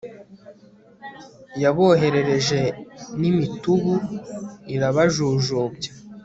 yaboherereje n'imitubu irabajujubya